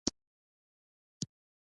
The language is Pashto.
واوره د افغان کلتور په داستانونو کې راځي.